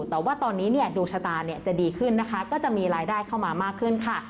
แต่ว่าตอนนี้เนี่ยดวงชะตาจะดีขึ้นนะคะก็จะมีรายได้เข้ามามากขึ้นค่ะ